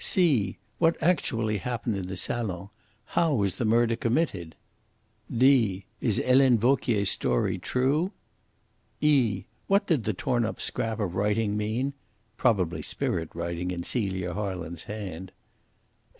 (c) What actually happened in the salon? How was the murder committed? (d) Is Helene Vauquier's story true? (e) What did the torn up scrap of writing mean? (Probably spirit writing in Celia Harland's hand.)